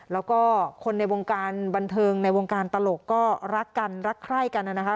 แล้วก็คนในวงการบันเทิงในวงการตลกก็รักกันรักใคร่กันนะคะ